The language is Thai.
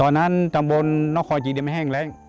ตอนนั้นตำบลคอยพี่เด้ี๋ยมแห้งแล้ง